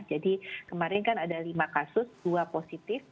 jadi kemarin kan ada lima kasus dua positif